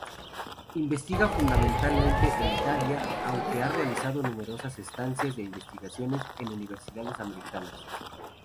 Investiga fundamentalmente en Italia, aunque ha realizado numerosas estancias de investigación en universidades americanas.